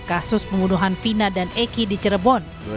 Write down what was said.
kasus pembunuhan vina dan eki di cirebon